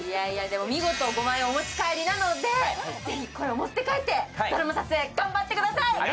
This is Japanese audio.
５万円持ち帰りなので、ぜひこれは持って帰ってこれからの撮影頑張ってください。